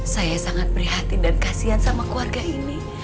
saya sangat berhati dan kasihan sama keluarga ini